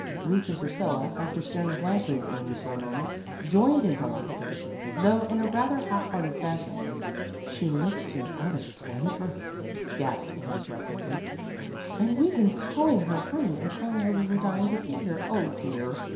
Ruth and Priscilla, after staring blankly at Amy for a moment, joined in her laughter, though in a rather half hearted fashion. " She looked so out of temper," gasped Amy breathlessly. " And we'd been calling her ' honey ' and telling her we were dying to see her. O dear!